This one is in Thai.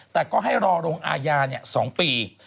แต่ก็ให้รอโรงอาญาเนี่ย๒ปี